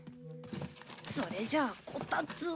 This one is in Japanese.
それじゃあこたつを。